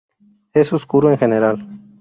Es oscuro en general.